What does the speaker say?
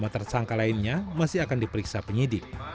lima tersangka lainnya masih akan diperiksa penyidik